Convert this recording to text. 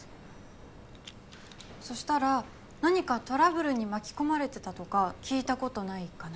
そしたら何かトラブルに巻き込まれてたとか聞いた事ないかな？